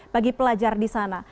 bagi pelajar di sana